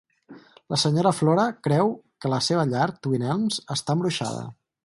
La senyora Flora creu que la seva llar, Twin Elms, està embruixada.